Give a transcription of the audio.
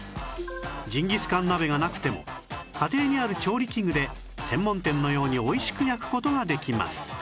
ジンギスカン鍋がなくても家庭にある調理器具で専門店のように美味しく焼く事ができます